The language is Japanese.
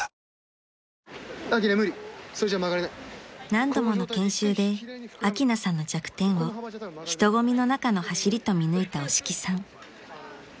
［何度もの研修でアキナさんの弱点を人混みの中の走りと見抜いた押木さん］